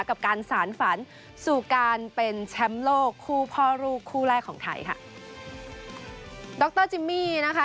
กับการสารฝันสู่การเป็นแชมป์โลกคู่พ่อลูกคู่แรกของไทยค่ะดรจิมมี่นะคะ